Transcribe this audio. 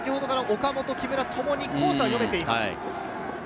岡本、木村ともにコースは読めています。